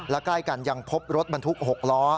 และใกล้กันยังพบรถบรรทุก๖ล้อ